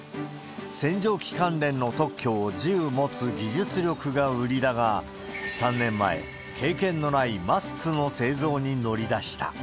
洗浄機関連の特許を１０持つ技術力が売りだが、３年前、経験のないマスクの製造に乗り出した。